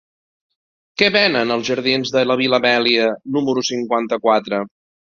Què venen als jardins de la Vil·la Amèlia número cinquanta-quatre?